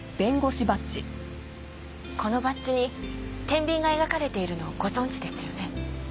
このバッジに天秤が描かれているのご存じですよね？